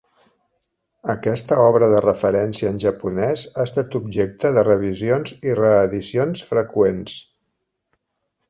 Aquesta obra de referència en japonès ha estat objecte de revisions i reedicions freqüents.